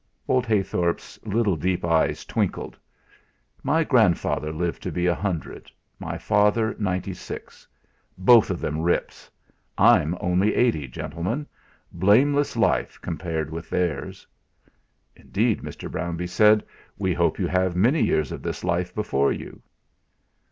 Old Heythorp's little deep eyes twinkled. "My grandfather lived to be a hundred; my father ninety six both of them rips. I'm only eighty, gentlemen; blameless life compared with theirs." "Indeed," Mr. Brownbee said, "we hope you have many years of this life before you."